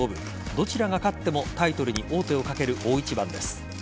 どちらが勝ってもタイトルに王手をかける大一番です。